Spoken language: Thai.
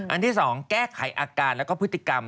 ที่๒แก้ไขอาการแล้วก็พฤติกรรม